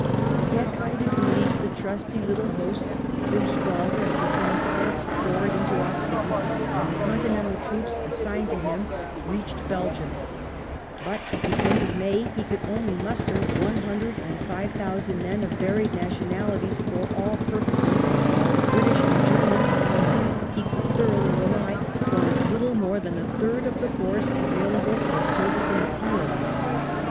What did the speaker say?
Yet by degrees the trusty little host grew stronger as the transports poured into Ostend and the continental troops assigned to him reached 2o6 WELLINGTON Belgium ; but at the end of May he could only muster one hundred and five thousand men of varied nationalities for all purposes, while the British and Germans, upon whom he could thoroughly rely, formed little more than a third of the force available for service in the field.